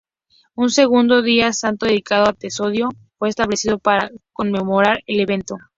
Un segundo día santo dedicado a Teodosio fue establecido para conmemorar el evento.